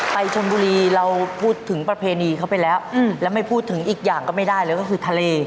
ไปชนบุรีเราพูดถึงประเพณีเขาไปแล้วแล้วไม่พูดถึงอีกอย่างก็ไม่ได้เลยก็คือทะเล